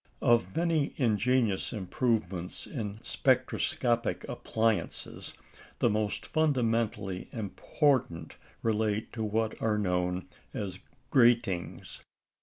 Of many ingenious improvements in spectroscopic appliances the most fundamentally important relate to what are known as "gratings."